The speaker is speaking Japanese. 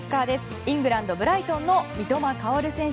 イングランド、ブライトンの三笘薫選手。